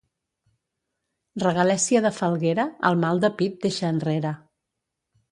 Regalèssia de falguera, el mal de pit deixa enrere.